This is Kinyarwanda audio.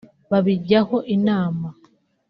babijyaho inama